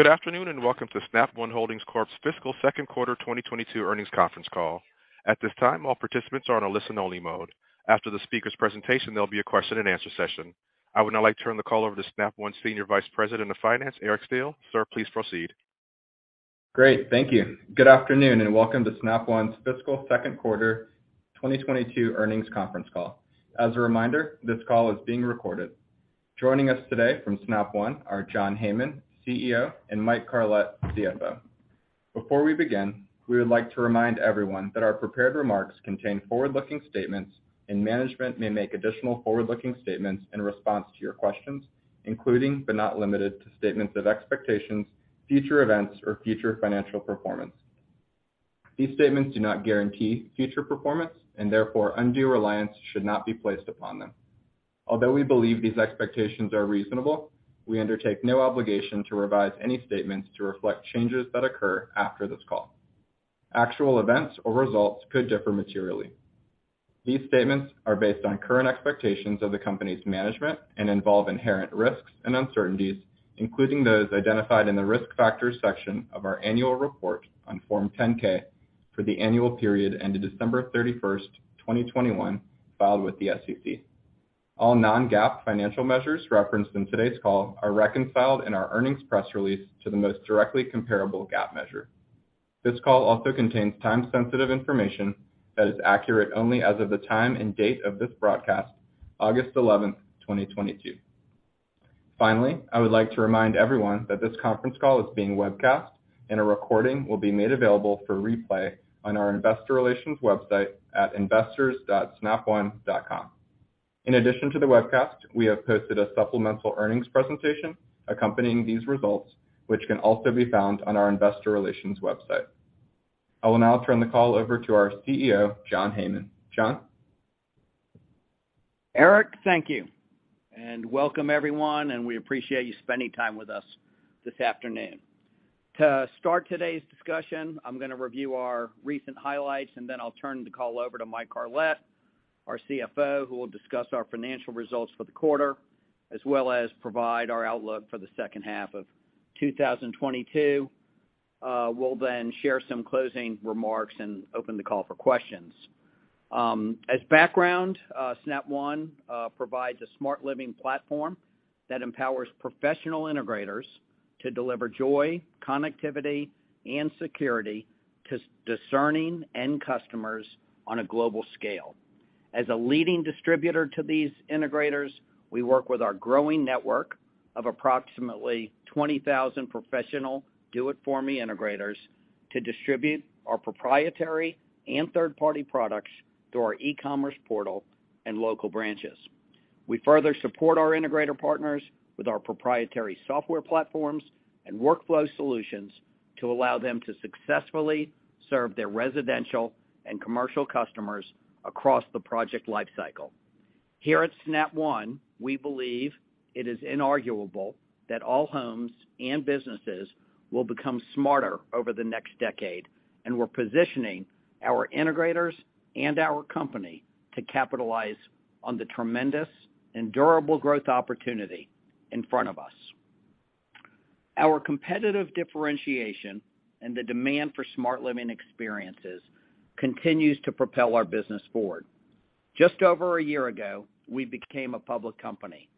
Good afternoon, and welcome to Snap One Holdings Corp.'s fiscal Q2 2022 earnings Conference Call. At this time, all participants are on a listen-only mode. After the speaker's presentation, there'll be a question and answer session. I would now like to turn the call over to Snap One's Senior Vice President of Finance, Eric Steele. Sir, please proceed. Great. Thank you. Good afternoon, and welcome to Snap One's fiscal Q2 2022 earnings Conference Call. As a reminder, this call is being recorded. Joining us today from Snap One are John Heyman, CEO, and Mike Carlet, CFO. Before we begin, we would like to remind everyone that our prepared remarks contain forward-looking statements and management may make additional forward-looking statements in response to your questions, including, but not limited to, statements of expectations, future events, or future financial performance. These statements do not guarantee future performance and therefore, undue reliance should not be placed upon them. Although we believe these expectations are reasonable, we undertake no obligation to revise any statements to reflect changes that occur after this call. Actual events or results could differ materially. These statements are based on current expectations of the company's management and involve inherent risks and uncertainties, including those identified in the Risk Factors section of our annual report on Form 10-K for the annual period ended December 31, 2021, filed with the SEC. All non-GAAP financial measures referenced in today's call are reconciled in our earnings press release to the most directly comparable GAAP measure. This call also contains time-sensitive information that is accurate only as of the time and date of this broadcast, August 11, 2022. Finally, I would like to remind everyone that this Conference Call is being webcast, and a recording will be made available for replay on our investor relations website at investors.snapone.com. In addition to the webcast, we have posted a supplemental earnings presentation accompanying these results, which can also be found on our investor relations website. I will now turn the call over to our CEO, John Heyman. John? Eric, thank you. Welcome, everyone, and we appreciate you spending time with us this afternoon. To start today's discussion, I'm gonna review our recent highlights, and then I'll turn the call over to Mike Carlet, our CFO, who will discuss our financial results for the quarter, as well as provide our outlook for the second half of 2022. We'll then share some closing remarks and open the call for questions. As background, Snap One provides a smart living platform that empowers professional integrators to deliver joy, connectivity, and security to discerning end customers on a global scale. As a leading distributor to these integrators, we work with our growing network of approximately 20,000 professional do it for me integrators to distribute our proprietary and third-party products through our e-commerce portal and local branches. We further support our integrator partners with our proprietary software platforms and workflow solutions to allow them to successfully serve their residential and commercial customers across the project lifecycle. Here at Snap One, we believe it is inarguable that all homes and businesses will become smarter over the next decade, and we're positioning our integrators and our company to capitalize on the tremendous and durable growth opportunity in front of us. Our competitive differentiation and the demand for smart living experiences continues to propel our business forward. Just over a year ago, we became a public company.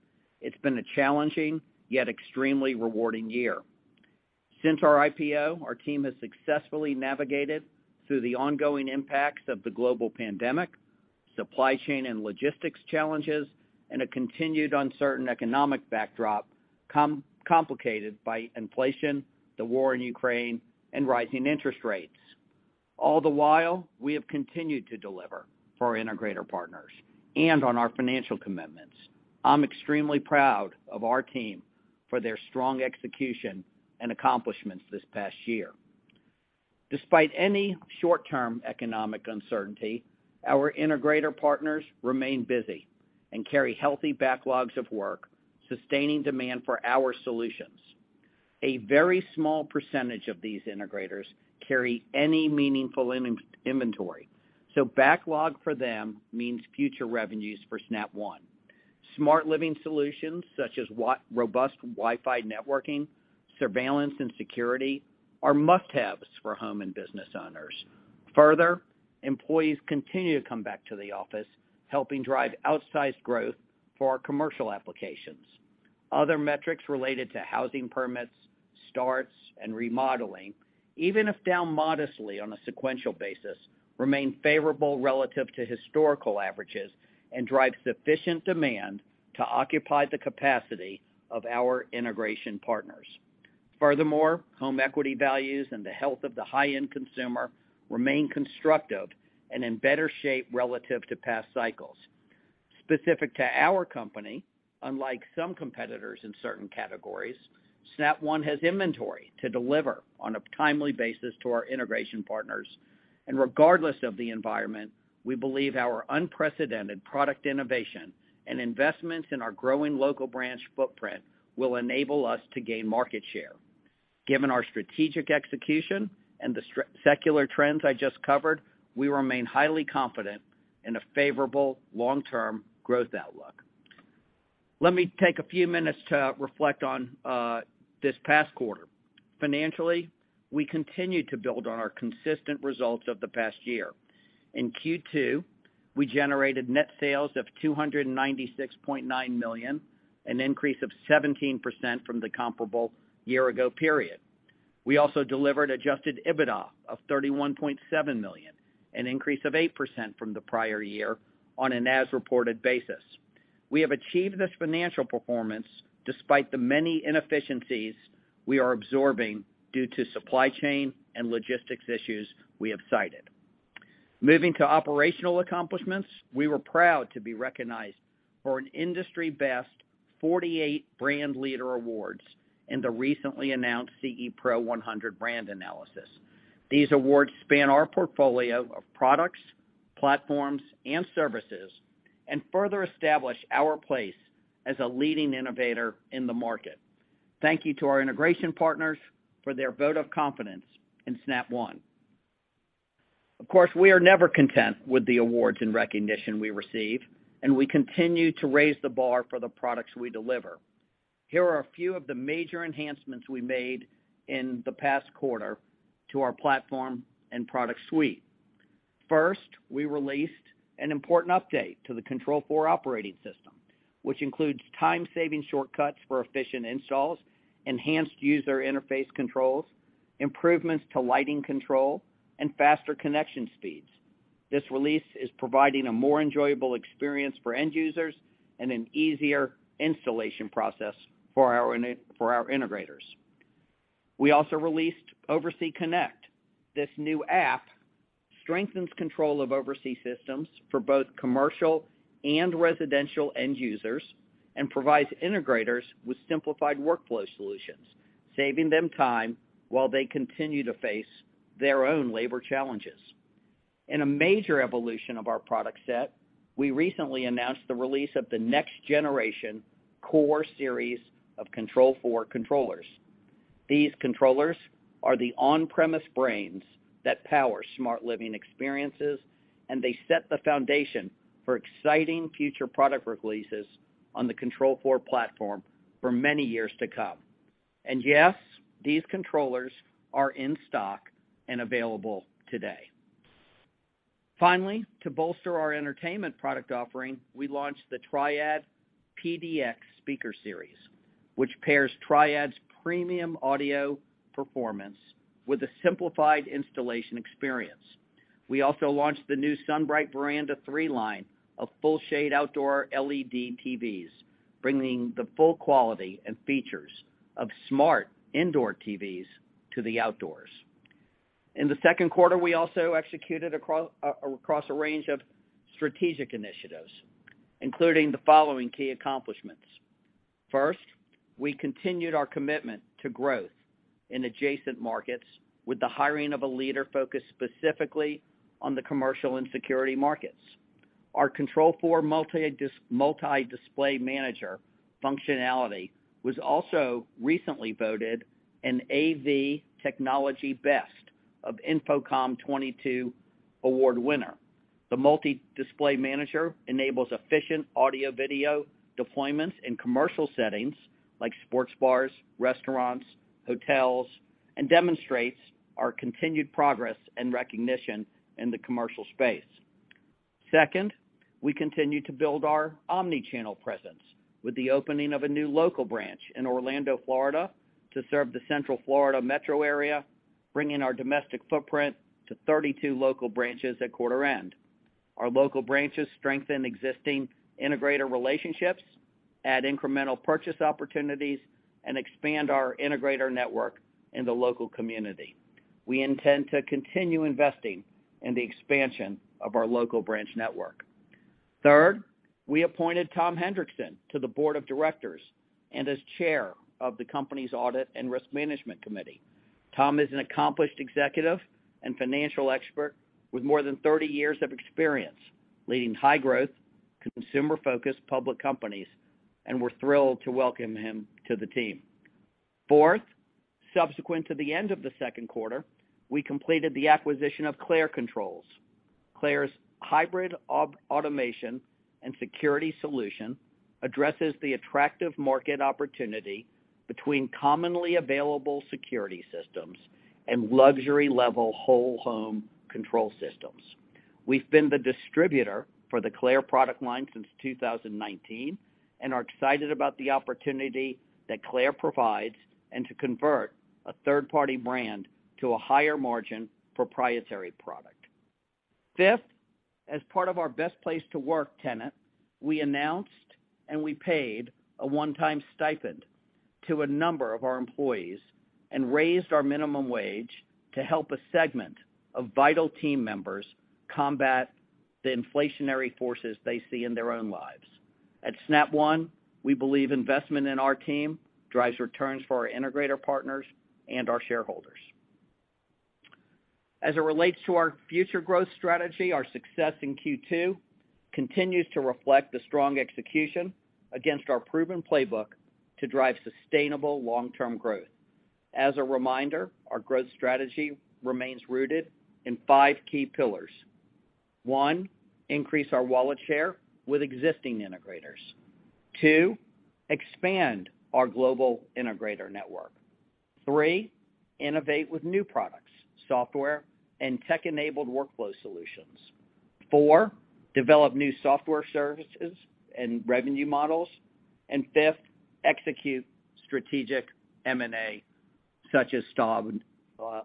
It's been a challenging, yet extremely rewarding year. Since our IPO, our team has successfully navigated through the ongoing impacts of the global pandemic, supply chain and logistics challenges, and a continued uncertain economic backdrop complicated by inflation, the war in Ukraine, and rising interest rates. All the while, we have continued to deliver for our integrator partners and on our financial commitments. I'm extremely proud of our team for their strong execution and accomplishments this past year. Despite any short-term economic uncertainty, our integrator partners remain busy and carry healthy backlogs of work, sustaining demand for our solutions. A very small percentage of these integrators carry any meaningful inventory, so backlog for them means future revenues for Snap One. Smart living solutions such as robust Wi-Fi networking, surveillance, and security are must-haves for home and business owners. Further, employees continue to come back to the office, helping drive outsized growth for our commercial applications. Other metrics related to housing permits, starts, and remodeling, even if down modestly on a sequential basis, remain favorable relative to historical averages and drive sufficient demand to occupy the capacity of our integration partners. Furthermore, home equity values and the health of the high-end consumer remain constructive and in better shape relative to past cycles. Specific to our company, unlike some competitors in certain categories, Snap One has inventory to deliver on a timely basis to our integration partners. Regardless of the environment, we believe our unprecedented product innovation and investments in our growing local branch footprint will enable us to gain market share. Given our strategic execution and the secular trends I just covered, we remain highly confident in a favorable long-term growth outlook. Let me take a few minutes to reflect on this past quarter. Financially, we continued to build on our consistent results of the past year. In Q2, we generated net sales of $296.9 million, an increase of 17% from the comparable year-ago period. We also delivered adjusted EBITDA of $31.7 million, an increase of 8% from the prior year on an as-reported basis. We have achieved this financial performance despite the many inefficiencies we are absorbing due to supply chain and logistics issues we have cited. Moving to operational accomplishments, we were proud to be recognized for an industry-best 48 Brand Leader awards in the recently announced CE Pro 100 Brand Analysis. These awards span our portfolio of products, platforms, and services and further establish our place as a leading innovator in the market. Thank you to our integration partners for their vote of confidence in Snap One. Of course, we are never content with the awards and recognition we receive, and we continue to raise the bar for the products we deliver. Here are a few of the major enhancements we made in the past quarter to our platform and product suite. First, we released an important update to the Control4 operating system, which includes time-saving shortcuts for efficient installs, enhanced user interface controls, improvements to lighting control, and faster connection speeds. This release is providing a more enjoyable experience for end users and an easier installation process for our integrators. We also released OvrC Connect. This new app strengthens control of OvrC systems for both commercial and residential end users and provides integrators with simplified workflow solutions, saving them time while they continue to face their own labor challenges. In a major evolution of our product set, we recently announced the release of the next generation Core series of Control4 controllers. These controllers are the on-premise brains that power smart living experiences, and they set the foundation for exciting future product releases on the Control4 platform for many years to come. Yes, these controllers are in stock and available today. Finally, to bolster our entertainment product offering, we launched the Triad PDX speaker series, which pairs Triad's premium audio performance with a simplified installation experience. We also launched the new SunBriteTV Veranda 3 line of full-shade outdoor LED TVs, bringing the full quality and features of smart indoor TVs to the outdoors. In the Q2, we also executed across a range of strategic initiatives, including the following key accomplishments. First, we continued our commitment to growth in adjacent markets with the hiring of a leader focused specifically on the commercial and security markets. Our Control4 MultiDisplay Manager functionality was also recently voted an AV Technology Best of InfoComm 2022 award winner. The MultiDisplay Manager enables efficient audio video deployments in commercial settings like sports bars, restaurants, hotels, and demonstrates our continued progress and recognition in the commercial space. Second, we continue to build our omni-channel presence with the opening of a new local branch in Orlando, Florida, to serve the Central Florida metro area, bringing our domestic footprint to 32 local branches at quarter end. Our local branches strengthen existing integrator relationships, add incremental purchase opportunities, and expand our integrator network in the local community. We intend to continue investing in the expansion of our local branch network. Third, we appointed Tom Hendrickson to the board of directors and as chair of the company's Audit and Risk Management Committee. Tom is an accomplished executive and financial expert with more than 30 years of experience leading high-growth, consumer-focused public companies, and we're thrilled to welcome him to the team. Fourth, subsequent to the end of the Q2, we completed the acquisition of Clare Controls. Clare's hybrid automation and security solution addresses the attractive market opportunity between commonly available security systems and luxury-level whole home control systems. We've been the distributor for the Clare product line since 2019 and are excited about the opportunity that Clare provides and to convert a third-party brand to a higher-margin proprietary product. Fifth, as part of our best place to work tenet, we announced and we paid a one-time stipend to a number of our employees and raised our minimum wage to help a segment of vital team members combat the inflationary forces they see in their own lives. At Snap One, we believe investment in our team drives returns for our integrator partners and our shareholders. As it relates to our future growth strategy, our success in Q2 continues to reflect the strong execution against our proven playbook to drive sustainable long-term growth. As a reminder, our growth strategy remains rooted in five key pillars. One, increase our wallet share with existing integrators. Two, expand our global integrator network. Three, innovate with new products, software, and tech-enabled workflow solutions. Four, develop new software services and revenue models. And fifth, execute strategic M&A, such as Staub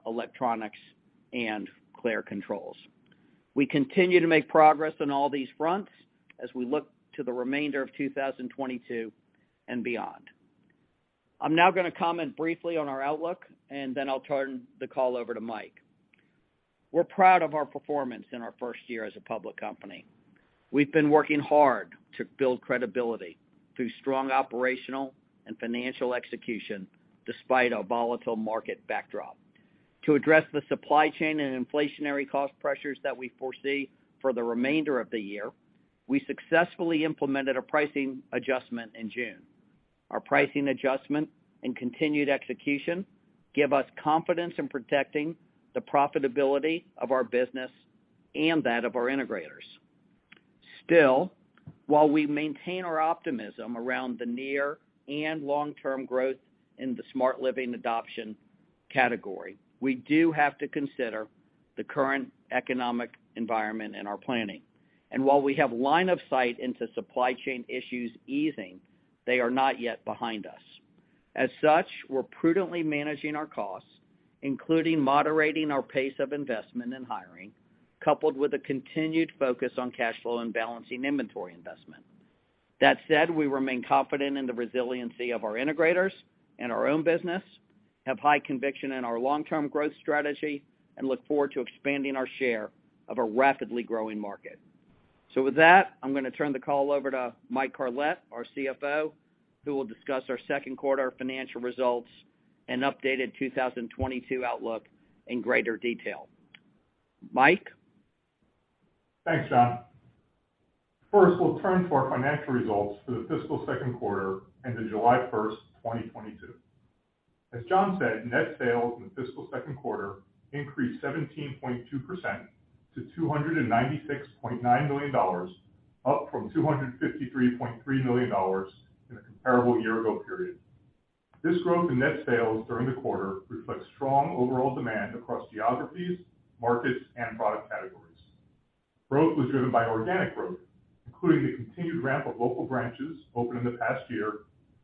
Electronics and Clare Controls. We continue to make progress on all these fronts as we look to the remainder of 2022 and beyond. I'm now gonna comment briefly on our outlook, and then I'll turn the call over to Mike. We're proud of our performance in our first year as a public company. We've been working hard to build credibility through strong operational and financial execution despite a volatile market backdrop. To address the supply chain and inflationary cost pressures that we foresee for the remainder of the year, we successfully implemented a pricing adjustment in June. Our pricing adjustment and continued execution give us confidence in protecting the profitability of our business and that of our integrators. Still, while we maintain our optimism around the near and long-term growth in the smart living adoption category, we do have to consider the current economic environment in our planning. While we have line of sight into supply chain issues easing, they are not yet behind us. As such, we're prudently managing our costs, including moderating our pace of investment in hiring, coupled with a continued focus on cash flow and balancing inventory investment. That said, we remain confident in the resiliency of our integrators and our own business, have high-conviction in our long-term growth strategy, and look forward to expanding our share of a rapidly growing market. With that, I'm gonna turn the call over to Mike Carlet, our CFO, who will discuss our Q2 financial results and updated 2022 outlook in greater detail. Mike. Thanks, John. First, we'll turn to our financial results for the fiscal Q2 ended July 1, 2022. As John said, net sales in the fiscal Q2 increased 17.2% to $296.9 million, up from $253.3 million in the comparable year ago period. This growth in net sales during the quarter reflects strong overall demand across geographies, markets, and product categories. Growth was driven by organic growth, including the continued ramp of local branches opened in the past year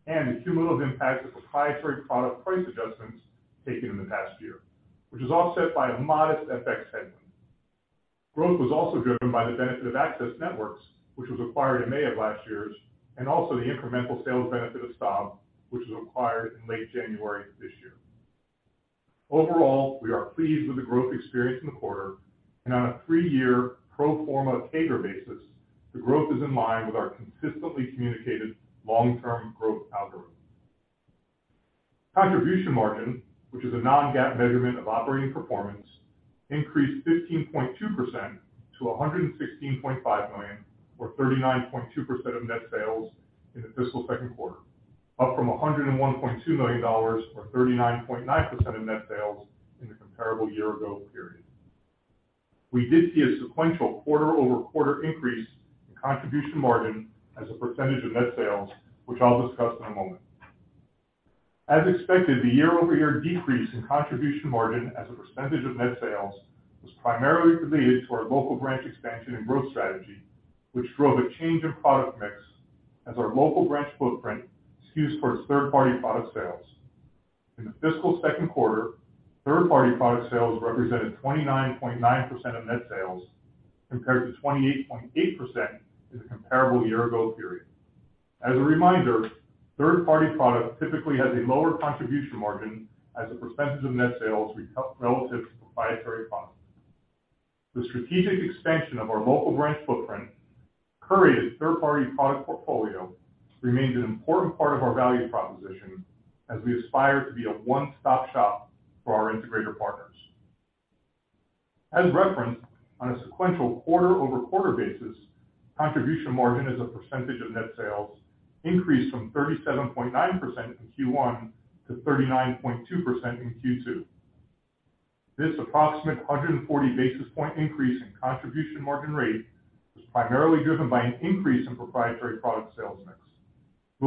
and the cumulative impact of proprietary product price adjustments taken in the past year, which was offset by a modest FX headwind. Growth was also driven by the benefit of Access Networks, which was acquired in May of last-year, and also the incremental sales benefit of Staub, which was acquired in late January of this year. Overall, we are pleased with the growth experienced in the quarter. On a three-year pro forma CAGR basis, the growth is in line with our consistently communicated long-term growth algorithm. Contribution margin, which is a non-GAAP measurement of operating performance, increased 15.2% to $116.5 million, or 39.2% of net sales in the fiscal Q2, up from $101.2 million or 39.9% of net sales in the comparable year ago period. We did see a sequential quarter-over-quarter increase in contribution margin as a percentage of net sales, which I'll discuss in a moment. As expected, the year-over-year decrease in contribution margin as a percentage of net sales was primarily related to our local branch expansion and growth strategy, which drove a change in product mix as our local branch footprint skews towards third-party product sales. In the fiscal Q2, third-party product sales represented 29.9% of net sales, compared to 28.8% in the comparable year ago period. As a reminder, third-party product typically has a lower contribution-margin as a percentage of net sales relative to proprietary products. The strategic expansion of our local branch footprint, coupled with third-party product portfolio, remains an important part of our value proposition as we aspire to be a one-stop shop for our integrator partners. As referenced on a sequential quarter-over-quarter basis, contribution margin as a percentage of net sales increased from 37.9% in Q1 to 39.2% in Q2. This approximate 140 basis point increase in contribution margin rate was primarily driven by an increase in proprietary product sales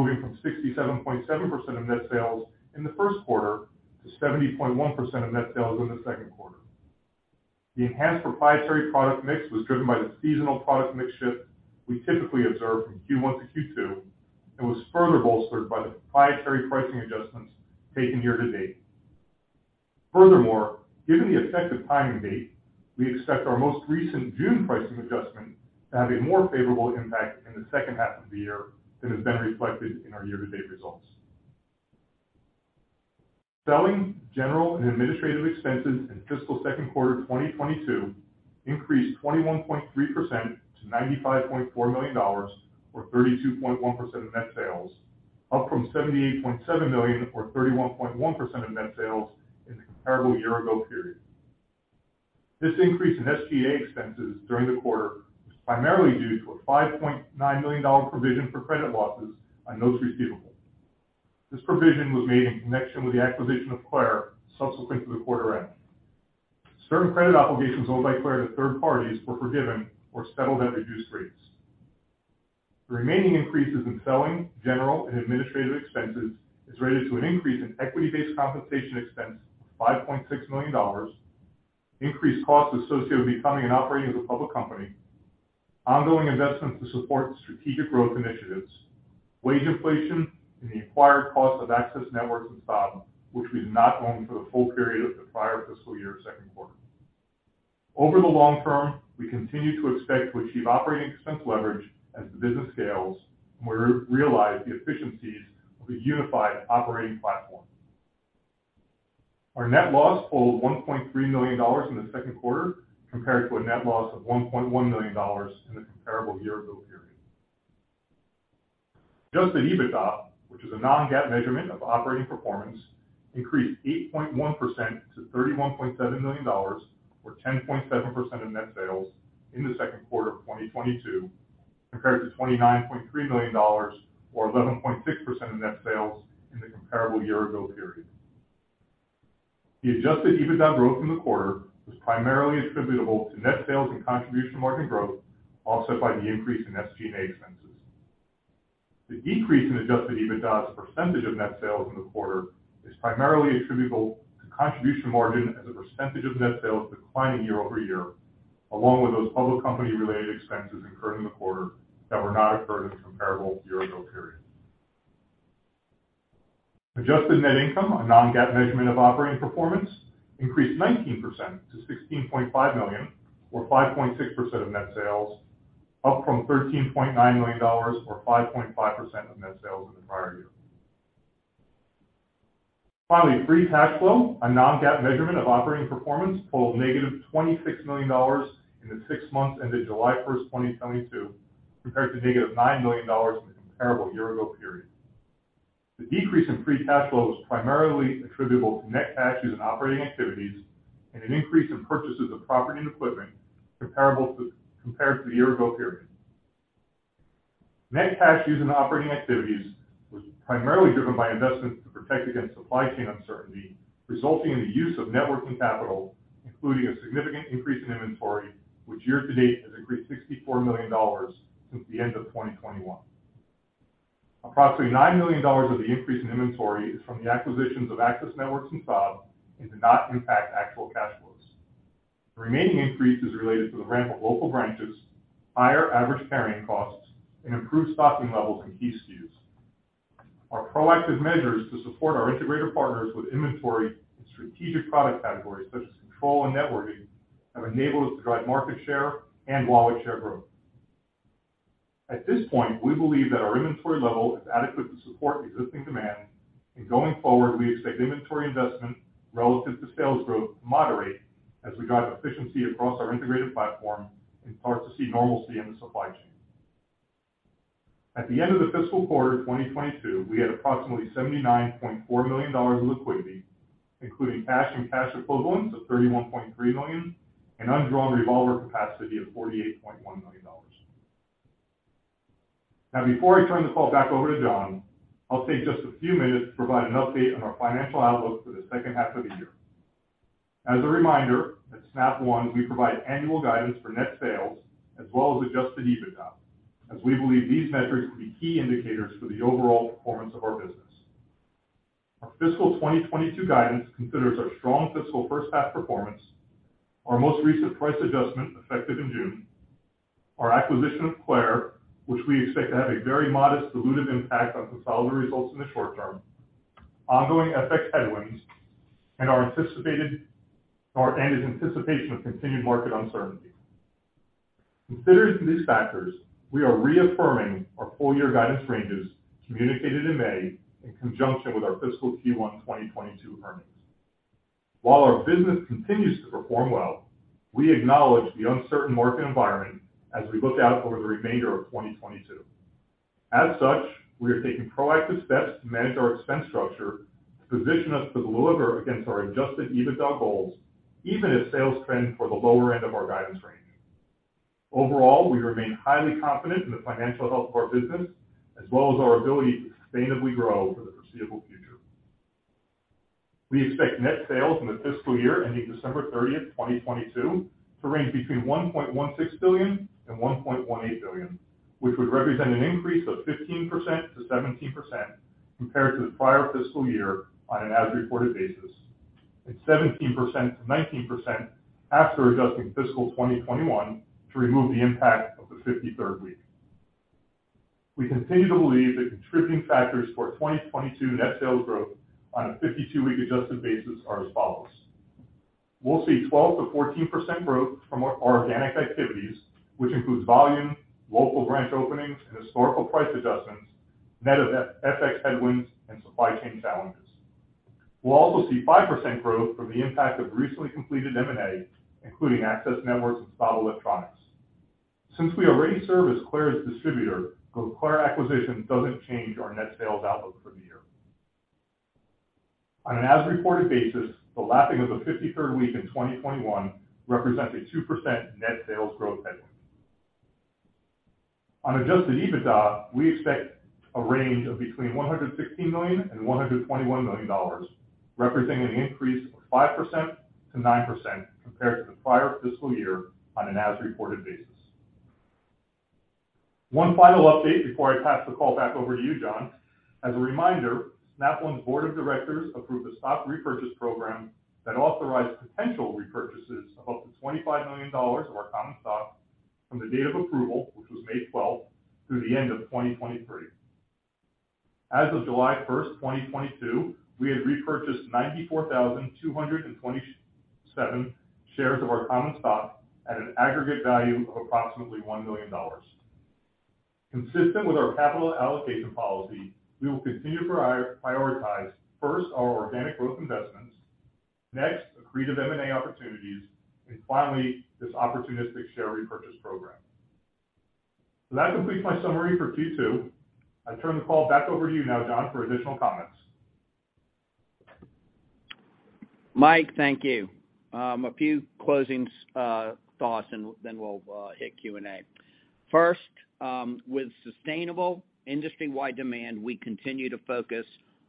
mix, moving from 67.7% of net sales in the Q1 to 70.1% of net sales in the Q2. The enhanced proprietary product mix was driven by the seasonal product mix shift we typically observe from Q1 to Q2, and was further bolstered by the proprietary pricing adjustments taken year to date. Furthermore, given the effective timing date, we expect our most recent June pricing adjustment to have a more favorable impact in the second half of the year than has been reflected in our year to date results. Selling, general, and administrative expenses in fiscal Q2 2022 increased 21.3% to $95.4 million, or 32.1% of net sales, up from $78.7 million, or 31.1% of net sales in the comparable year ago period. This increase in SG&A expenses during the quarter was primarily due to a $5.9 million provision for credit losses on those receivables. This provision was made in connection with the acquisition of Clare subsequent to the quarter end. Certain credit obligations owed by Clare to third parties were forgiven or settled at reduced rates. The remaining increases in selling, general, and administrative expenses is related to an increase in equity-based compensation expense of $5.6 million, increased costs associated with becoming and operating as a public company, ongoing investments to support strategic growth initiatives, wage inflation, and the acquired cost of Access Networks and Staub, which we did not own for the full period of the prior fiscal year Q2. Over the long-term, we continue to expect to achieve operating expense leverage as the business scales and we realize the efficiencies of a unified operating platform. Our net loss totaled $1.3 million in the Q2 compared to a net loss of $1.1 million in the comparable year ago period. Adjusted EBITDA, which is a non-GAAP measurement of operating performance, increased 8.1% to $31.7 million, or 10.7% of net sales in the Q2 of 2022, compared to $29.3 million or 11.6% of net sales in the comparable year ago period. The adjusted EBITDA growth in the quarter was primarily attributable to net sales and contribution margin growth, offset by the increase in SG&A expenses. The decrease in adjusted EBITDA as a percentage of net sales in the quarter is primarily attributable to contribution margin as a percentage of net sales declining year-over-year, along with those public company-related expenses incurred in the quarter that were not incurred in the comparable year ago period. Adjusted net income, a non-GAAP measurement of operating performance, increased 19% to $16.5 million, or 5.6% of net sales, up from $13.9 million or 5.5% of net sales in the prior year. Finally, free cash flow, a non-GAAP measurement of operating performance, totaled -$26 million in the six months ended July 1, 2022, compared to -$9 million in the comparable year ago period. The decrease in free cash flow was primarily attributable to net cash used in operating activities and an increase in purchases of property and equipment compared to the year ago period. Net cash used in operating activities was primarily driven by investments to protect against supply chain uncertainty, resulting in the use of working capital, including a significant increase in inventory, which year to date has increased $64 million since the end of 2021. Approximately $9 million of the increase in inventory is from the acquisitions of Access Networks and Staub and did not impact actual cash flows. The remaining increase is related to the ramp of local branches, higher average carrying costs, and improved stocking levels in key SKUs. Our proactive measures to support our integrator partners with inventory in strategic product categories such as control and networking have enabled us to drive market share and wallet share growth. At this point, we believe that our inventory level is adequate to support existing demand. Going forward, we expect inventory investment relative to sales growth to moderate as we drive efficiency across our integrated platform and start to see normalcy in the supply chain. At the end of the fiscal quarter 2022, we had approximately $79.4 million in liquidity, including cash and cash equivalents of $31.3 million and undrawn revolver capacity of $48.1 million. Now, before I turn the call back over to John, I'll take just a few minutes to provide an update on our financial outlook for the second half of the year. As a reminder, at Snap One, we provide annual guidance for net sales as well as adjusted EBITDA, as we believe these metrics to be key indicators for the overall performance of our business. Our fiscal 2022 guidance considers our strong fiscal first half performance, our most recent price adjustment effective in June, our acquisition of Clare, which we expect to have a very modest dilutive impact on consolidated results in the short-term, ongoing FX headwinds, and our anticipation of continued market uncertainty. Considering these factors, we are reaffirming our full-year guidance ranges communicated in May in conjunction with our fiscal Q1 2022 earnings. While our business continues to perform well, we acknowledge the uncertain market environment as we look out over the remainder of 2022. As such, we are taking proactive steps to manage our expense structure to position us to deliver against our adjusted EBITDA goals, even if sales trend for the lower-end of our guidance range. Overall, we remain highly confident in the financial health of our business, as well as our ability to sustainably grow for the foreseeable future. We expect net sales in the fiscal year ending December 30, 2022, to range between $1.16 billion and $1.18 billion, which would represent an increase of 15%-17% compared to the prior fiscal year on an as-reported basis. Seventeen percent to nineteen percent after adjusting fiscal 2021 to remove the impact of the 53rd week. We continue to believe that contributing factors for 2022 net sales growth on a 52-week adjusted basis are as follows. We'll see 12%-14% growth from our organic activities, which includes volume, local branch openings, and historical price adjustments, net of FX headwinds and supply chain challenges. We'll also see 5% growth from the impact of recently completed M&A, including Access Networks and Staub Electronics. Since we already serve as Clare's distributor, the Clare acquisition doesn't change our net sales outlook for the year. On an as-reported basis, the lapping of the 53rd week in 2021 represents a 2% net sales growth headwind. On adjusted EBITDA, we expect a range of between $116 million and $121 million, representing an increase of 5%-9% compared to the prior fiscal year on an as-reported basis. One final update before I pass the call back over to you, John. As a reminder, Snap One's board of directors approved a stock repurchase program that authorized potential repurchases of up to $25 million of our common stock from the date of approval, which was May 12, through the end of 2023. As of July 1, 2022, we had repurchased 94,227 shares of our common stock at an aggregate value of approximately $1 million. Consistent with our capital allocation policy, we will continue to prioritize, first, our organic growth investments, next, accretive M&A opportunities, and finally, this opportunistic share repurchase program. That completes my summary for Q2. I turn the call back over to you now, John, for additional comments. Mike, thank you. A few closing thoughts and then we'll hit Q&A. First, with sustainable industry-wide demand, we continue to focus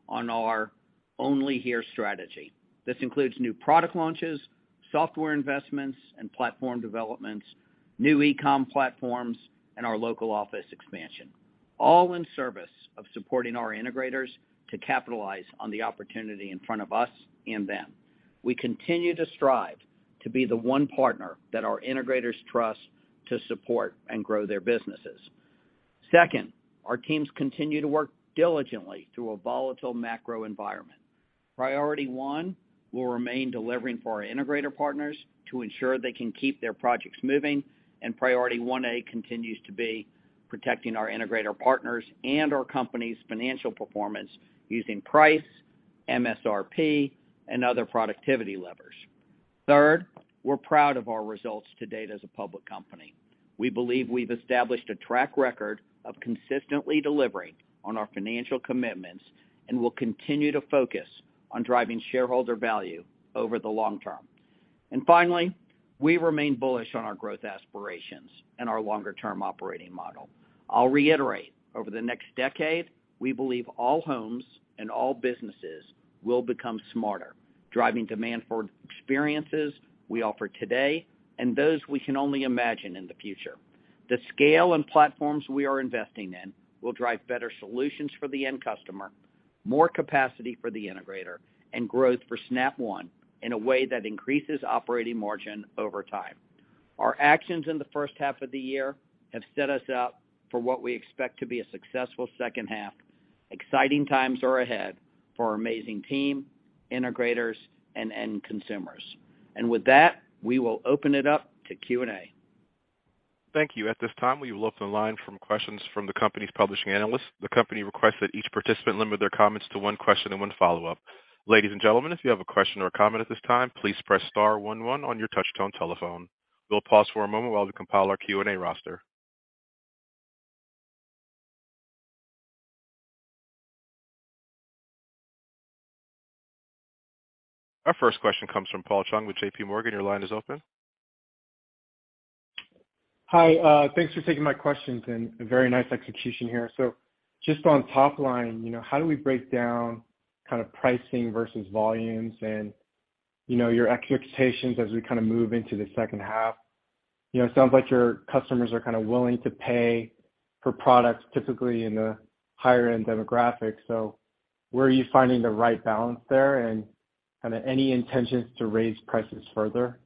on our one-year strategy. This includes new product launches, software investments and platform developments, new e-com platforms, and our local office expansion, all in service of supporting our integrators to capitalize on the opportunity in front of us and them. We continue to strive to be the one partner that our integrators trust to support and grow their businesses. Second, our teams continue to work diligently through a volatile macro environment. Priority one will remain delivering for our integrator partners to ensure they can keep their projects moving, and priority one A continues to be protecting our integrator partners and our company's financial performance using price, MSRP, and other productivity levers. Third, we're proud of our results to date as a public company. We believe we've established a track record of consistently delivering on our financial commitments and will continue to focus on driving shareholder value over the long-term. Finally, we remain bullish on our growth aspirations and our longer-term operating model. I'll reiterate, over the next decade, we believe all homes and all businesses will become smarter, driving demand for experiences we offer today and those we can only imagine in the future. The scale and platforms we are investing in will drive better solutions for the end customer, more capacity for the integrator, and growth for Snap One in a way that increases operating margin over time. Our actions in the first half of the year have set us up for what we expect to be a successful second half. Exciting times are ahead for our amazing team, integrators, and end consumers. With that, we will open it up to Q&A. Thank you. At this time, we will take online questions from the company's participating analysts. The company requests that each participant limit their comments to one question and one follow-up. Ladies and gentlemen, if you have a question or a comment at this time, please press star one one on your touch-tone telephone. We'll pause for a moment while we compile our Q&A roster. Our first question comes from Paul Chung with JPMorgan. Your line is open. Hi, thanks for taking my questions, and a very nice execution here. Just on top-line, you know, how do we break down kind of pricing versus volumes and, you know, your expectations as we kinda move into the second half? You know, it sounds like your customers are kinda willing to pay for products typically in the higher-end demographics. Where are you finding the right balance there, and kinda any intentions to raise prices further?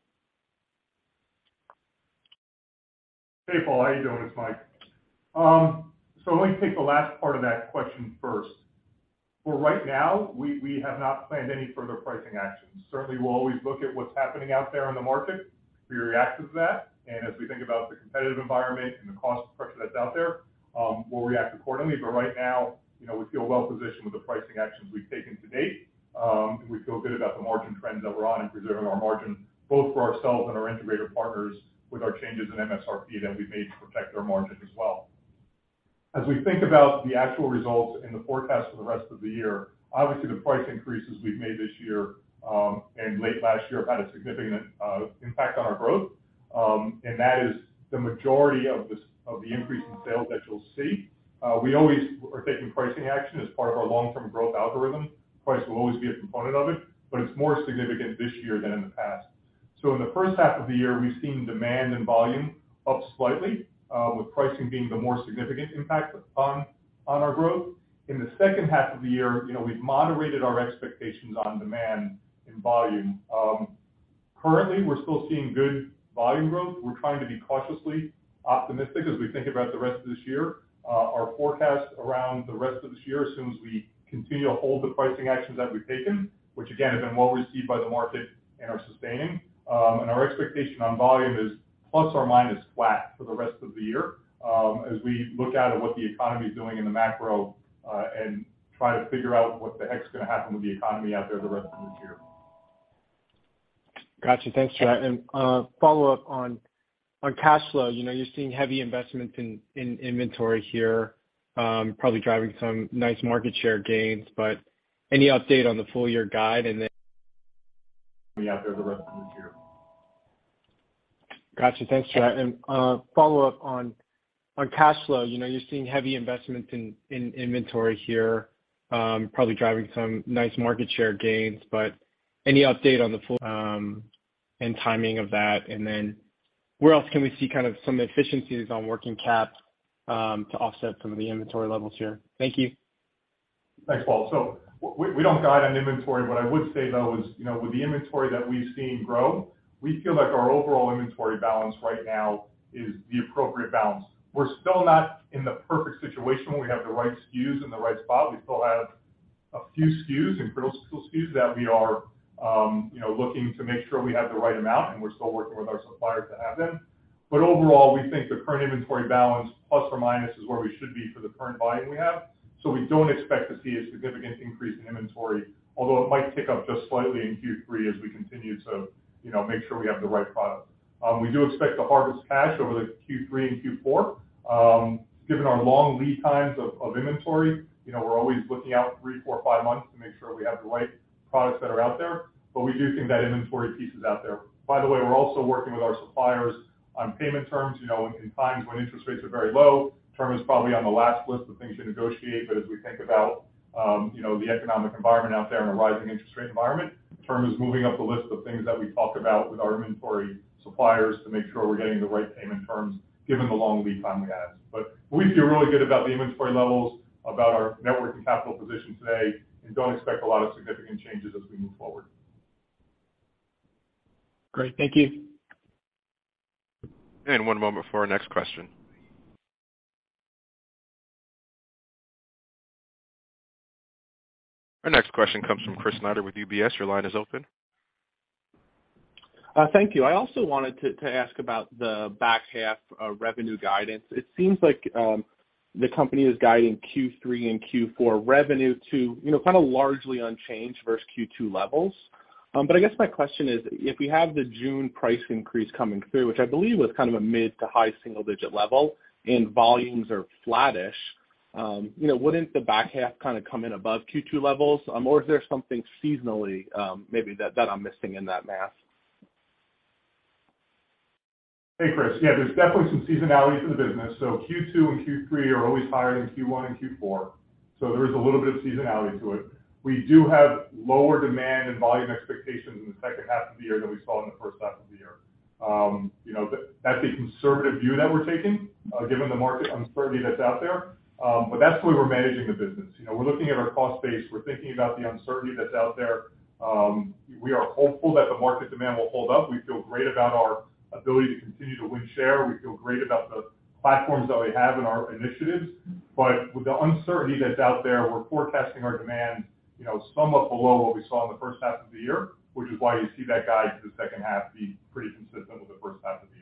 Hey, Paul, how you doing? It's Mike. So let me take the last part of that question first. For right now, we have not planned any further pricing actions. Certainly, we'll always look at what's happening out there in the market. We react to that, and as we think about the competitive environment and the cost pressure that's out there, we'll react accordingly. Right now, you know, we feel well-positioned with the pricing actions we've taken to date, and we feel good about the margin trends that we're on in preserving our margin, both for ourselves and our integrator partners with our changes in MSRP that we've made to protect our margin as well. As we think about the actual results and the forecast for the rest of the year, obviously, the price increases we've made this year and late last-year had a significant impact on our growth, and that is the majority of the increase in sales that you'll see. We always are taking pricing action as part of our long-term growth algorithm. Price will always be a component of it, but it's more significant this year than in the past. In the first half of the year, we've seen demand and volume up slightly, with pricing being the more significant impact on our growth. In the second half of the year, you know, we've moderated our expectations on demand and volume. Currently, we're still seeing good volume growth. We're trying to be cautiously optimistic as we think about the rest of this year. Our forecast around the rest of this year assumes we continue to hold the pricing actions that we've taken, which again, have been well-received by the market and are sustaining. Our expectation on volume is plus or minus flat for the rest of the year, as we look out at what the economy is doing in the macro, and try to figure out what the heck is gonna happen with the economy out there the rest of this year. Gotcha. Thanks for that. Follow-up on cash flow. You know, you're seeing heavy investments in inventory here, probably driving some nice market share gains, but any update on the full-year guidance and the- Out there the rest of this year. Got you. Thanks for that. Follow-up on cash flow. You know, you're seeing heavy investments in inventory here, probably driving some nice market share gains. Any update on the full and timing of that? Where else can we see kind of some efficiencies on working cap to offset some of the inventory levels here? Thank you. Thanks, Paul. We don't guide on inventory. What I would say though is, you know, with the inventory that we've seen grow, we feel like our overall inventory balance right now is the appropriate balance. We're still not in the perfect situation where we have the right SKUs in the right spot. We still have a few SKUs and critical SKUs that we are, you know, looking to make sure we have the right amount, and we're still working with our suppliers to have them. But overall, we think the current inventory balance plus or minus is where we should be for the current buying we have. We don't expect to see a significant increase in inventory, although it might tick up just slightly in Q3 as we continue to, you know, make sure we have the right product. We do expect to harvest cash over the Q3 and Q4. Given our long lead-times of inventory, you know, we're always looking out 3, 4, 5 months to make sure we have the right products that are out there. We do think that inventory piece is out there. By the way, we're also working with our suppliers on payment terms. You know, in times when interest rates are very low, term is probably on the last list of things to negotiate. As we think about, you know, the economic environment out there in a rising interest rate environment, term is moving up the list of things that we talk about with our inventory suppliers to make sure we're getting the right payment terms given the long lead-time we have. We feel really good about the inventory levels, about our net working capital position today, and don't expect a lot of significant changes as we move forward. Great. Thank you. One moment for our next question. Our next question comes from Chris Snyder with UBS. Your line is open. Thank you. I also wanted to ask about the back half revenue guidance. It seems like the company is guiding Q3 and Q4 revenue to, you know, kind of largely unchanged versus Q2 levels. I guess my question is, if you have the June price increase coming through, which I believe was kind of a mid-to-high-single-digit level and volumes are flattish, you know, wouldn't the back half kinda come in above Q2 levels? Is there something seasonally maybe that I'm missing in that math? Hey, Chris. Yeah, there's definitely some seasonality to the business, so Q2 and Q3 are always higher than Q1 and Q4. There is a little bit of seasonality to it. We do have lower demand and volume expectations in the second half of the year than we saw in the first half of the year. You know, that's a conservative view that we're taking, given the market uncertainty that's out there. That's the way we're managing the business. You know, we're looking at our cost base. We're thinking about the uncertainty that's out there. We are hopeful that the market demand will hold up. We feel great about our ability to continue to win share. We feel great about the platforms that we have in our initiatives. With the uncertainty that's out there, we're forecasting our demand, you know, somewhat below what we saw in the first half of the year, which is why you see that guide for the second half of the year be pretty consistent with the first half of the year.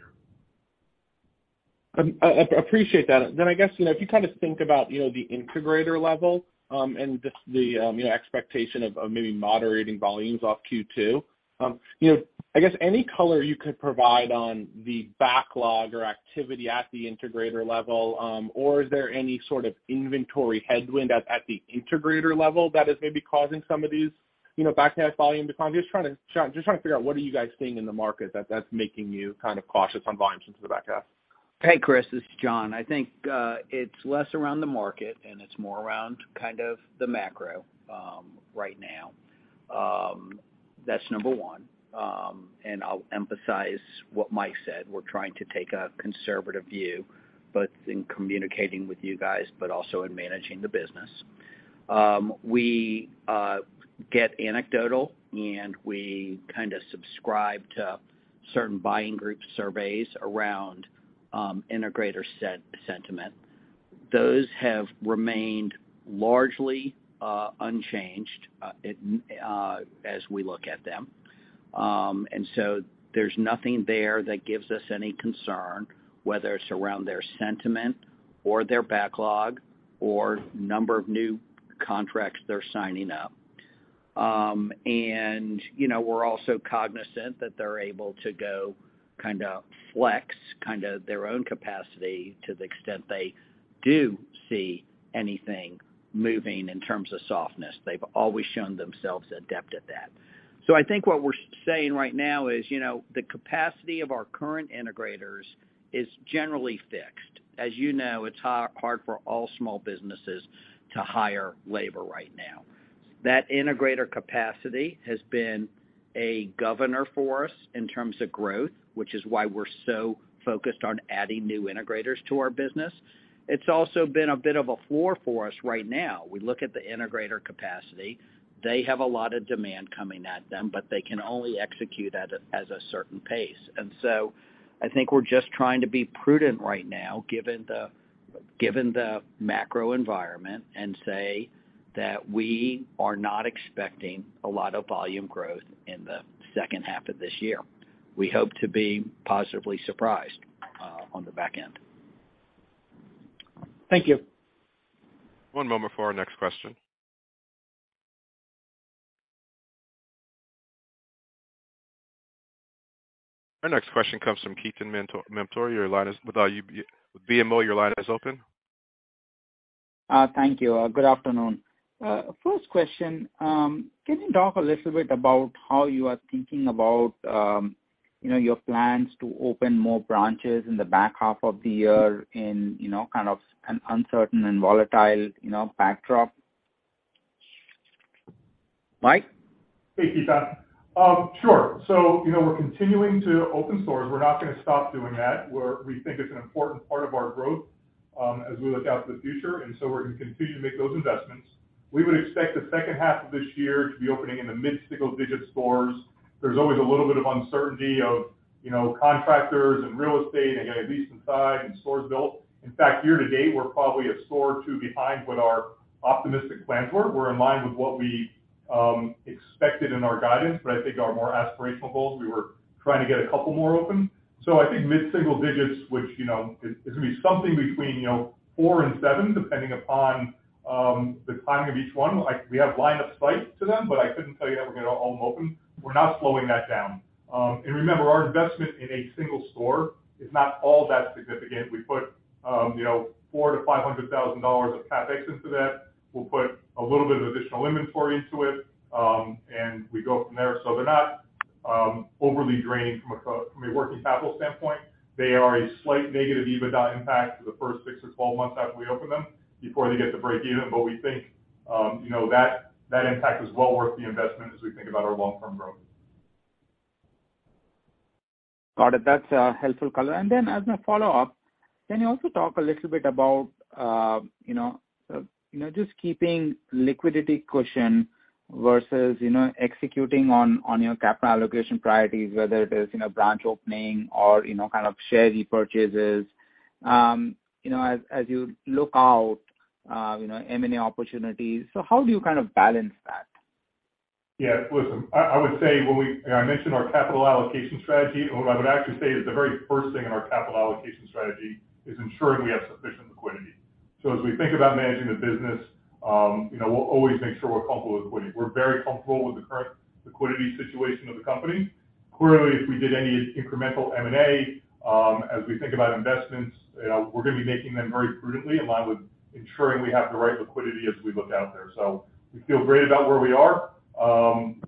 I guess, you know, if you kind of think about, you know, the integrator level, and just the, you know, expectation of maybe moderating volumes off Q2. You know, I guess any color you could provide on the backlog or activity at the integrator level, or is there any sort of inventory headwind at the integrator level that is maybe causing some of these, you know, back half volume declines? Just trying to figure out what are you guys seeing in the market that's making you kind of cautious on volumes into the back half. Hey, Chris, this is John. I think it's less around the market and it's more around kind of the macro right now. That's number one. I'll emphasize what Mike said. We're trying to take a conservative view both in communicating with you guys but also in managing the business. We get anecdotal, and we kinda subscribe to certain buying group surveys around integrator sentiment. Those have remained largely unchanged as we look at them. There's nothing there that gives us any concern, whether it's around their sentiment or their backlog or number of new contracts they're signing up. You know, we're also cognizant that they're able to go kinda flex their own capacity to the extent they do see anything moving in terms of softness. They've always shown themselves adept at that. I think what we're saying right now is, you know, the capacity of our current integrators is generally fixed. As you know, it's hard for all small businesses to hire labor right now. That integrator capacity has been a governor for us in terms of growth, which is why we're so focused on adding new integrators to our business. It's also been a bit of a floor for us right now. We look at the integrator capacity. They have a lot of demand coming at them, but they can only execute at a certain pace. I think we're just trying to be prudent right now, given the macro environment, and say that we are not expecting a lot of volume growth in the second half of this year. We hope to be positively surprised on the back end. Thank you. One moment for our next question. Our next question comes from Keith Housum with BMO. Your line is open. Thank you. Good afternoon. First question, can you talk a little bit about how you are thinking about, you know, your plans to open more branches in the back half of the year in, you know, kind of an uncertain and volatile, you know, backdrop? Mike? Hey, Keith. Sure. You know, we're continuing to open stores. We're not gonna stop doing that. We think it's an important part of our growth as we look out to the future, and we're gonna continue to make those investments. We would expect the second half of this year to be opening in the mid-single digit stores. There's always a little bit of uncertainty of, you know, contractors and real estate and getting a lease inside and stores built. In fact, year-to-date, we're probably a store or two behind what our optimistic plans were. We're in line with what we expected in our guidance, but I think our more aspirational goals, we were trying to get a couple more open. I think mid-single-digits, which, you know, it could be something between, you know, 4 and 7, depending upon the timing of each one. Like, we have line of sight to them, but I couldn't tell you how we're gonna get all them open. We're not slowing that down. Remember, our investment in a single-store is not all that significant. We put, you know, $400,000-$500,000 of CapEx into that. We'll put a little bit of additional inventory into it, and we go from there. They're not overly draining from a working capital standpoint. They are a slight negative EBITDA impact for the first 6 or 12 months after we open them before they get to break even. We think, you know, that impact is well-worth the investment as we think about our long-term growth. Got it. That's a helpful color. Then as my follow-up, can you also talk a little bit about, you know, you know, just keeping liquidity cushion versus, you know, executing on your capital allocation priorities, whether it is, you know, branch opening or, you know, kind of share repurchases, you know, as you look out, you know, M&A opportunities. How do you kind of balance that? Yeah. Listen, I would say I mentioned our capital allocation strategy. What I would actually say is the very first thing in our capital allocation strategy is ensuring we have sufficient liquidity. As we think about managing the business, you know, we'll always make sure we're comfortable with liquidity. We're very comfortable with the current liquidity situation of the company. Clearly, if we did any incremental M&A, as we think about investments, you know, we're gonna be making them very prudently in line with ensuring we have the right liquidity as we look out there. We feel great about where we are.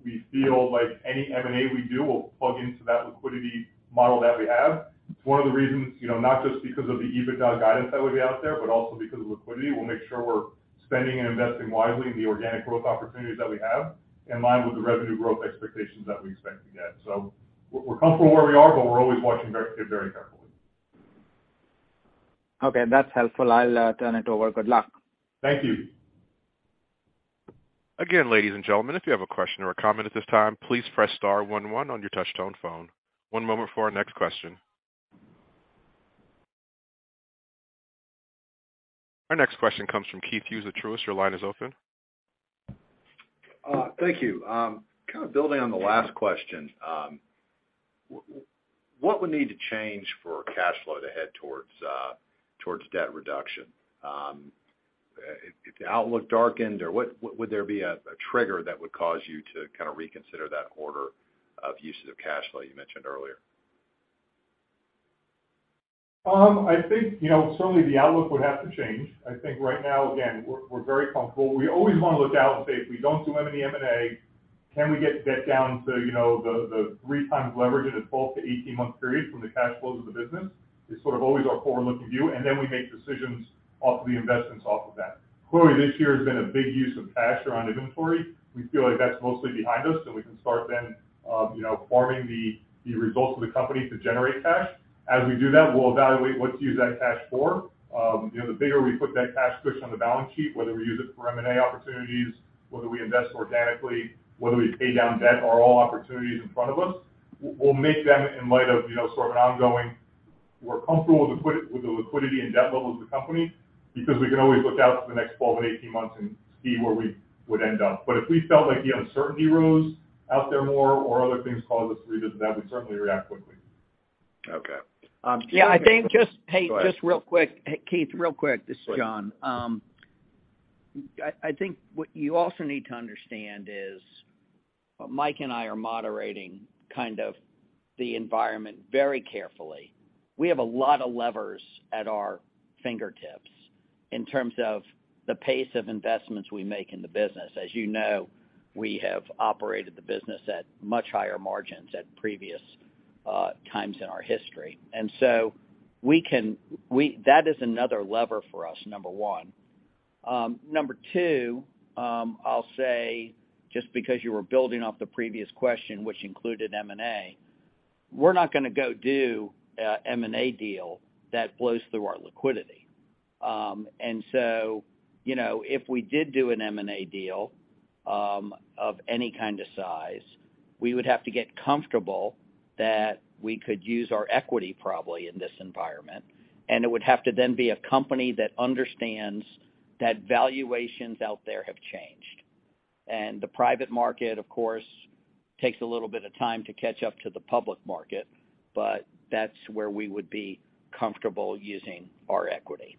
We feel like any M&A we do will plug into that liquidity model that we have. It's one of the reasons, you know, not just because of the EBITDA guidance that would be out there, but also because of liquidity. We'll make sure we're spending and investing wisely in the organic growth opportunities that we have in line with the revenue growth expectations that we expect to get. We're comfortable where we are, but we're always watching it very carefully. Okay, that's helpful. I'll turn it over. Good luck. Thank you. Again, ladies and gentlemen, if you have a question or a comment at this time, please press star one one on your touchtone phone. One moment for our next question. Our next question comes from Keith Hughes at Truist. Your line is open. Thank you. Kind of building on the last question. What would need to change for cash flow to head towards debt reduction? If the outlook darkened, or what would there be a trigger that would cause you to kinda reconsider that order of uses of cash flow you mentioned earlier? I think, you know, certainly the outlook would have to change. I think right now, again, we're very comfortable. We always wanna look out and say, if we don't do any M&A, can we get debt down to, you know, the 3x leverage in a 12- to 18-month period from the cash flows of the business, is sort of always our forward-looking view, and then we make decisions off of the investments off of that. Clearly, this year has been a big use of cash around inventory. We feel like that's mostly behind us, so we can start then, you know, farming the results of the company to generate cash. As we do that, we'll evaluate what to use that cash for. You know, the bigger we put that cash cushion on the balance sheet, whether we use it for M&A opportunities, whether we invest organically, whether we pay down debt, are all opportunities in front of us. We'll make them in light of, you know, sort of an ongoing. We're comfortable with the liquidity and debt levels of the company because we can always look out for the next 12 and 18 months and see where we would end up. If we felt like the uncertainty rose out there more or other things caused us to revisit that, we'd certainly react quickly. Okay. Yeah, I think. Go ahead. Hey, just real quick. Keith, real quick. Sure. This is John Heyman. I think what you also need to understand is Mike Carlet and I are moderating kind of the environment very carefully. We have a lot of levers at our fingertips in terms of the pace of investments we make in the business. As you know, we have operated the business at much higher-margins at previous times in our history. We can. That is another lever for us, number one. Number two, I'll say, just because you were building off the previous question, which included M&A, we're not gonna go do a M&A deal that blows through our liquidity. You know, if we did do an M&A deal of any kind of size, we would have to get comfortable that we could use our equity probably in this environment, and it would have to then be a company that understands that valuations out there have changed. The private market, of course, takes a little bit of time to catch up to the public market, but that's where we would be comfortable using our equity.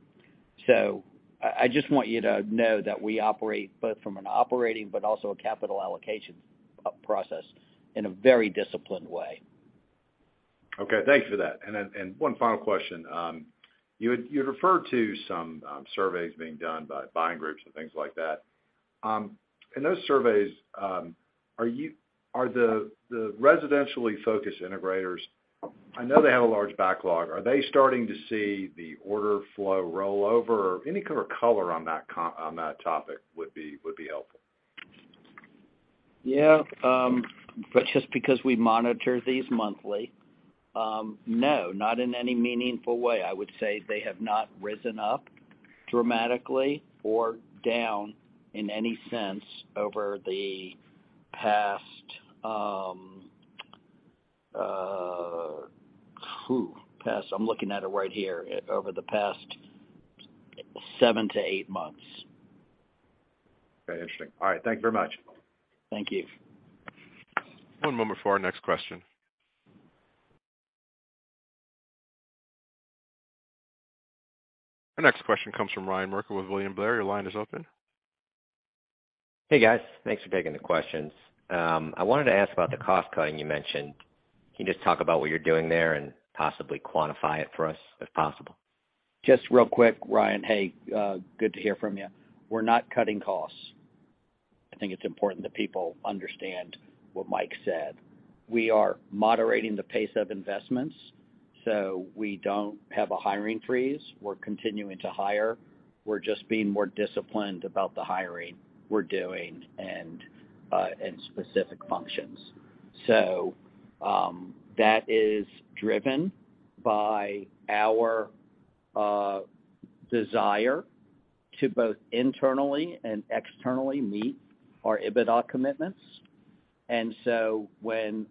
I just want you to know that we operate both from an operating but also a capital allocation process in a very disciplined way. Okay. Thanks for that. Then one final question. You had referred to some surveys being done by buying groups and things like that. In those surveys, are the residentially focused integrators, I know they have a large backlog, are they starting to see the order flow roll over? Any kind of color on that topic would be helpful. Yeah. Just because we monitor these monthly, no, not in any meaningful way. I would say they have not risen up dramatically or down in any sense over the past 7-8 months. Very interesting. All right. Thank you very much. Thank you. One moment for our next question. Our next question comes from Ryan Merkel with William Blair. Your line is open. Hey, guys. Thanks for taking the questions. I wanted to ask about the cost cutting you mentioned. Can you just talk about what you're doing there and possibly quantify it for us, if possible? Just real quick, Ryan. Hey, good to hear from you. We're not cutting costs. I think it's important that people understand what Mike said. We are moderating the pace of investments, so we don't have a hiring freeze. We're continuing to hire. We're just being more disciplined about the hiring we're doing and specific functions. So, that is driven by our desire to both internally and externally meet our EBITDA commitments. And so when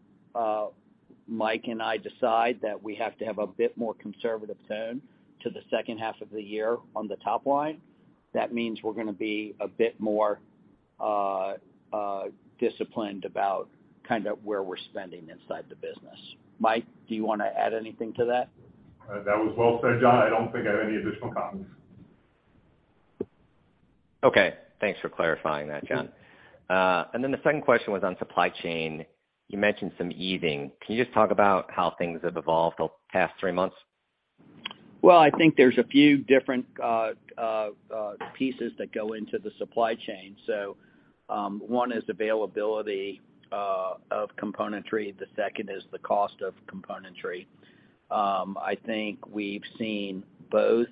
Mike and I decide that we have to have a bit more conservative tone to the second half of the year on the top-line, that means we're gonna be a bit more disciplined about kinda where we're spending inside the business. Mike, do you wanna add anything to that? That was well said, John. I don't think I have any additional comments. Okay. Thanks for clarifying that, John. The second question was on supply chain. You mentioned some easing. Can you just talk about how things have evolved the past three months? Well, I think there's a few different pieces that go into the supply chain. One is availability of componentry, the second is the cost of componentry. I think we've seen both.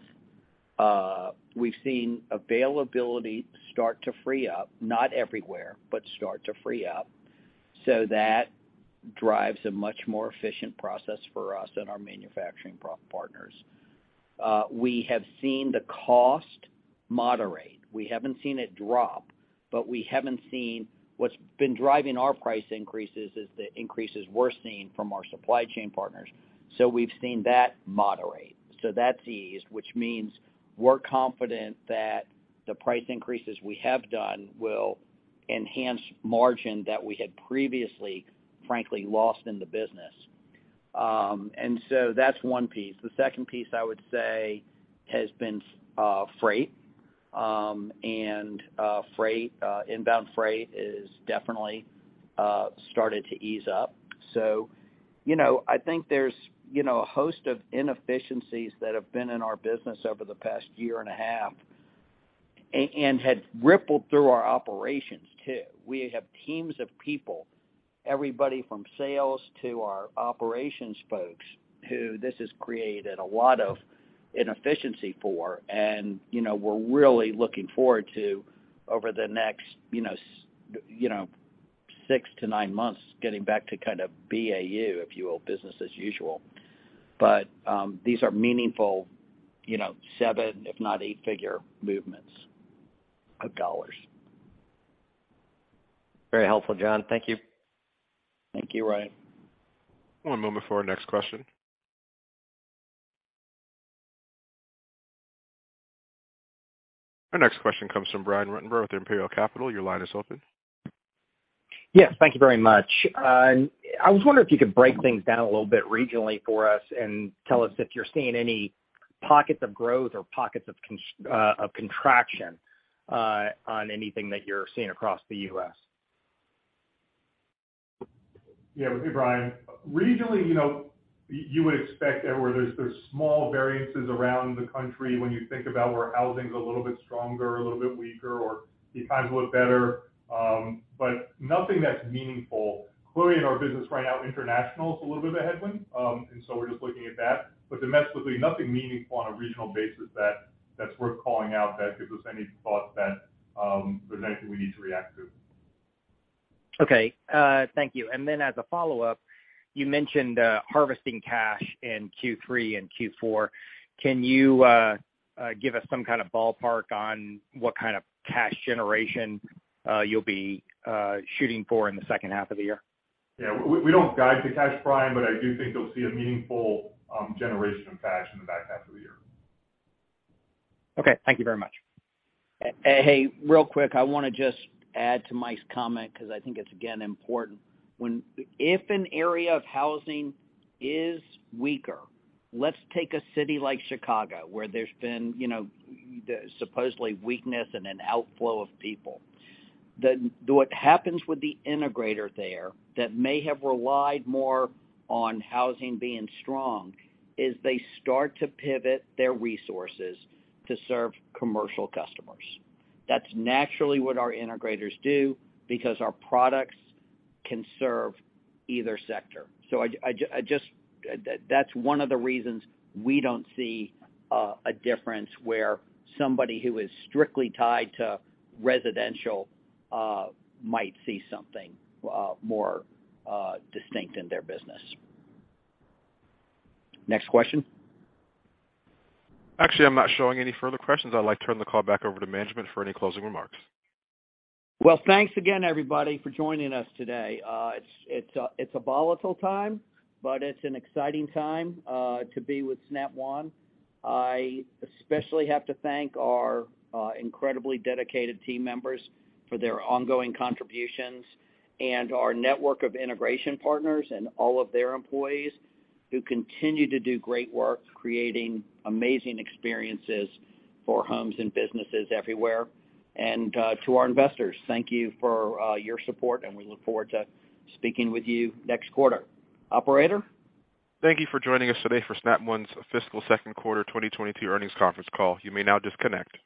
We've seen availability start to free up, not everywhere, but start to free up, so that drives a much more efficient process for us and our manufacturing partners. We have seen the cost moderate. We haven't seen it drop, but we haven't seen. What's been driving our price increases is the increases we're seeing from our supply chain partners. So we've seen that moderate. So that's eased, which means we're confident that the price increases we have done will enhance margin that we had previously, frankly, lost in the business. That's one piece. The second piece I would say has been freight. Freight, inbound freight, is definitely started to ease up. You know, I think there's, you know, a host of inefficiencies that have been in our business over the past year and a half and had rippled through our operations too. We have teams of people, everybody from sales to our operations folks, who this has created a lot of inefficiency for. You know, we're really looking forward to over the next, you know, 6-9 months getting back to kind of BAU, if you will, business as usual. These are meaningful, you know, 7, if not 8-figure movements of dollars. Very helpful, John. Thank you. Thank you, Ryan. One moment for our next question. Our next question comes from Brian Ruttenbur with Imperial Capital. Your line is open. Yes. Thank you very much. I was wondering if you could break things down a little bit regionally for us and tell us if you're seeing any pockets of growth or pockets of contraction on anything that you're seeing across the U.S. Yeah. Hey, Brian. Regionally, you know, you would expect there's small variances around the country when you think about where housing's a little bit stronger or a little bit weaker or the times look better, but nothing that's meaningful. Clearly in our business right now, international is a little bit of a headwind, and so we're just looking at that. Domestically, nothing meaningful on a regional basis that's worth calling out that gives us any thought that there's anything we need to react to. Okay. Thank you. As a follow-up, you mentioned harvesting cash in Q3 and Q4. Can you give us some kind of ballpark on what kind of cash generation you'll be shooting for in the second half of the year? Yeah. We don't guide to cash, Brian, but I do think you'll see a meaningful generation of cash in the back half of the year. Okay. Thank you very much. Hey, real quick, I wanna just add to Mike's comment 'cause I think it's, again, important. If an area of housing is weaker, let's take a city like Chicago, where there's been, you know, supposedly weakness and an outflow of people, what happens with the integrator there that may have relied more on housing being strong is they start to pivot their resources to serve commercial customers. That's naturally what our integrators do because our products can serve either sector. That's one of the reasons we don't see a difference where somebody who is strictly tied to residential might see something more distinct in their business. Next question? Actually, I'm not showing any further questions. I'd like to turn the call back over to management for any closing remarks. Well, thanks again, everybody, for joining us today. It's a volatile time, but it's an exciting time to be with Snap One. I especially have to thank our incredibly dedicated team members for their ongoing contributions and our network of integration partners and all of their employees who continue to do great work creating amazing experiences for homes and businesses everywhere. To our investors, thank you for your support, and we look forward to speaking with you next quarter. Operator? Thank you for joining us today for Snap One's fiscal Q2 2022 earnings Conference Call. You may now disconnect.